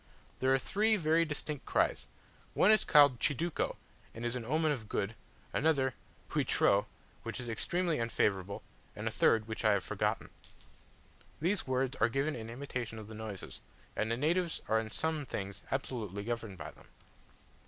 There are three very distinct cries: One is called "chiduco," and is an omen of good; another, "huitreu," which is extremely unfavourable; and a third, which I have forgotten. These words are given in imitation of the noises; and the natives are in some things absolutely governed by them.